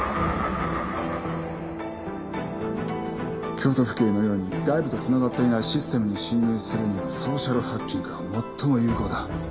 京都府警のように外部と繋がっていないシステムに侵入するにはソーシャルハッキングは最も有効だ。